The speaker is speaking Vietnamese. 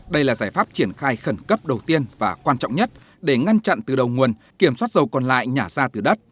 đây là giải pháp triển khai khẩn cấp đầu tiên và quan trọng nhất để ngăn chặn từ đầu nguồn kiểm soát dầu còn lại nhả ra từ đất